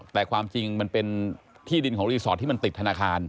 แต่ความจริงมันเป็นที่ดินของรีสอร์ทที่มันติดธนาคาร